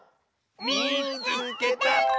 「みいつけた！」。